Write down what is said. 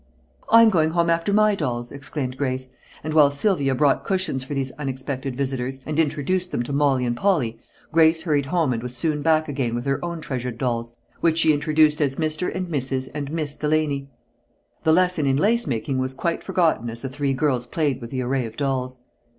"I'm going home after my dolls," exclaimed Grace, and while Sylvia brought cushions for these unexpected visitors, and introduced them to Molly and Polly, Grace hurried home and was soon back again with her own treasured dolls, which she introduced as "Mr. and Mrs. and Miss Delaney." The lesson in lace making was quite forgotten as the three girls played with the array of dolls.